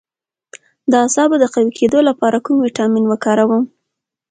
د اعصابو د قوي کیدو لپاره کوم ویټامین وکاروم؟